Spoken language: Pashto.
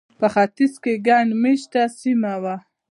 په ختیځ کې ګڼ مېشته سیمه وه.